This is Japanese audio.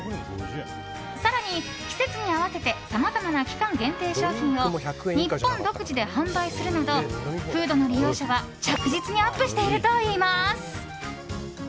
更に、季節に合わせてさまざまな期間限定商品を日本独自で販売するなどフードの利用者は着実にアップしているといいます。